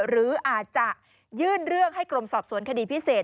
หรืออาจจะยื่นเรื่องให้กรมสอบสวนคดีพิเศษ